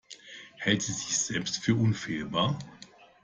Hält sie sich selbst für unfehlbar?